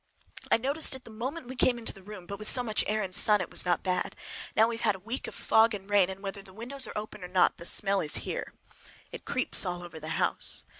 I noticed it the moment we came into the room, but with so much air and sun it was not bad. Now we have had a week of fog and rain, and whether the windows are open or not, the smell is here. It creeps all over the house.